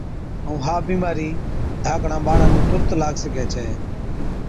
ائُون ها بِيمارِي ڌاڪڙان ٻاڙان نُون تُرت لاگ سِگھَي ڇَي۔